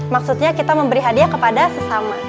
maksudnya kita memberi hadiah kepada sesama